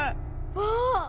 わあ！